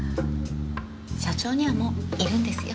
社長にはもういるんですよ。